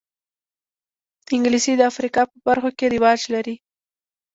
انګلیسي د افریقا په برخو کې رواج لري